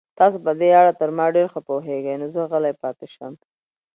تاسو په دې اړه تر ما ډېر پوهېږئ، نو زه غلی پاتې شم.